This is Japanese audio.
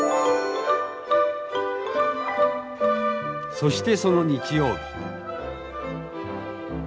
そしてその日曜日。